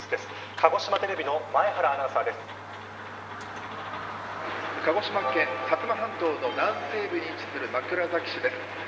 鹿児島テレビの鹿児島県薩摩半島の南西部に位置する枕崎市です。